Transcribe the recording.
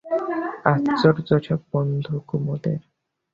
আশ্চর্য সব বন্ধু কুমুদের।